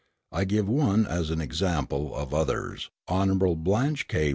I give one as an example of others: Hon. Blanche K.